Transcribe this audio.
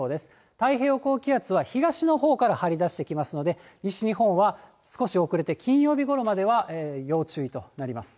太平洋高気圧は東のほうから張り出してきますので、西日本は少し遅れて金曜日ごろまでは要注意となります。